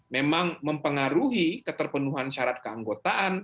memang mempengaruhi keterpenuhan syarat keanggotaan